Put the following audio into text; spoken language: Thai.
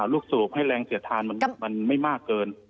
สูบให้แรงเสียดทานมันไม่มากเกิน